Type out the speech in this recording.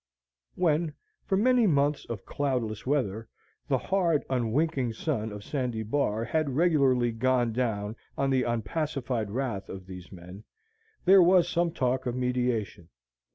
When, for many months of cloudless weather, the hard, unwinking sun of Sandy Bar had regularly gone down on the unpacified wrath of these men, there was some talk of mediation.